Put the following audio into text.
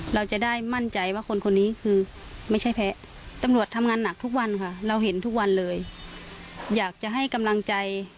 และเป็นทุกวันเลยอยากจะให้กำลังใจ